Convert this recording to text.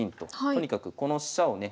とにかくこの飛車をね